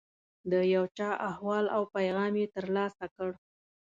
د یو چا احوال او پیغام یې ترلاسه کړ.